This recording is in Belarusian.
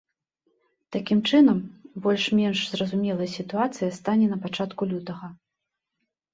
Такім чынам, больш-менш зразумелай сітуацыя стане на пачатку лютага.